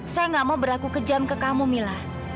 saya gak mau berlaku kejam ke kamu mila